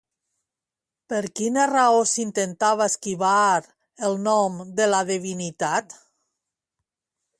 Per quina raó s'intentava esquivar el nom de la divinitat?